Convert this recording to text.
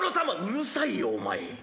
「うるさいよお前。